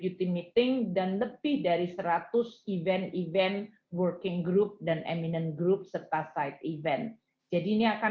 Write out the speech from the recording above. yaitu g dua puluh ini akan ada sekitar satu ratus lima puluh pertemuan dari keseluruhan pertemuan yang akan diadakan